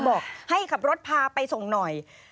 บอกให้ขับรถพาไปส่งหน่อย